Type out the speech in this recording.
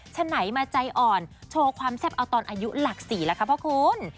ฉะไหนมาใจอ่อนโชว์ความแซ่บเอาตอนอายุหลัก๔แล้วครับพ่อคุณ